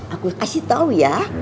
aku kasih tau ya